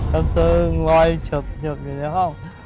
กระซึงลอยฉบอยู่ในห้อง